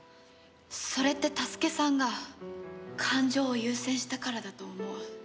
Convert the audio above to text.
それって太助さんが感情を優先したからだと思う。